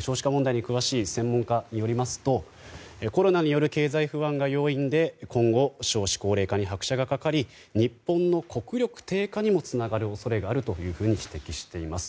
少子化問題に詳しい専門家によりますとコロナによる経済不安が要因で今後、少子・高齢化に拍車がかかり日本の国力低下にもつながる恐れがあると指摘しています。